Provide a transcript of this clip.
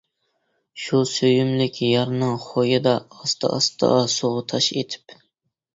شۇ سۆيۈملۈك يارنىڭ خۇيىدا، ئاستا-ئاستا سۇغا تاش ئېتىپ.